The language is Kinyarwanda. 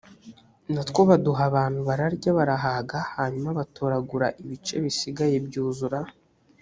na two baduha abantu bararya barahaga hanyuma batoragura ibice bisigaye byuzura